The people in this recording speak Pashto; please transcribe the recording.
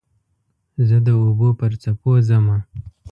زه د اوبو پر څپو ځمه